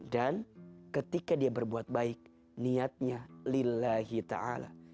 dan ketika dia berbuat baik niatnya lillahi ta'ala